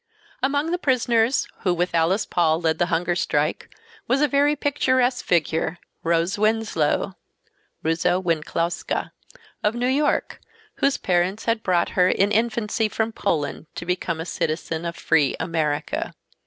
Among the prisoners who with Alice Paul led the hunger strike was a very picturesque figure, Rose Winslow (Ruza Wenclawska) of New York, whose parents had brought her in infancy from Poland to become a citizen of "free" America.